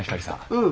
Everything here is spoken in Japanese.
うん。